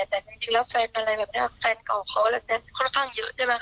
แต่จริงแล้วแฟนอะไรแบบนี้แฟนเก่าเขาค่อนข้างเยอะใช่ไหมค